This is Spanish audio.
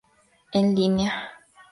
En línea